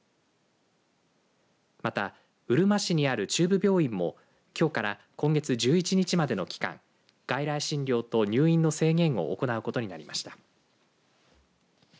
また、うるま市にある中部病院もきょうから今月１１日までの期間外来診療と入院の制限を行うことになりました。